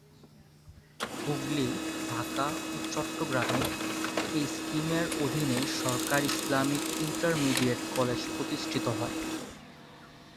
হুগলি, ঢাকা ও চট্টগ্রামে এ স্কিমের অধীনে সরকারি ইসলামিক ইন্টারমিডিয়েট কলেজ প্রতিষ্ঠিত হয়।